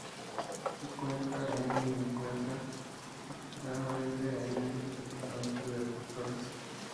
Su cuenca se encuentra íntegramente en el departamento de Apóstoles.